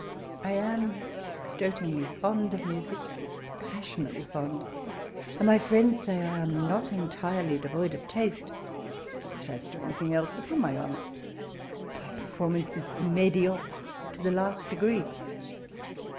I am doatingly fond of music — passionately fond; and my friends say I am not entirely devoid of taste ; but as to anything else, upon my honour my performance is mediocre t(r the last degree.